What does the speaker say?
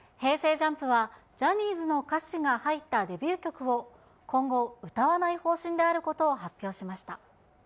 ＪＵＭＰは、ジャニーズの歌詞が入ったデビュー曲を今後、歌わない方針であることを発表しました。